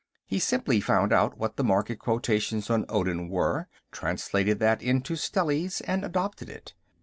He simply found out what the market quotations on Odin were, translated that into stellies, and adopted it.